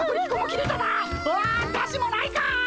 あ！だしもないか！